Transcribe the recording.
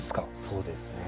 そうですね。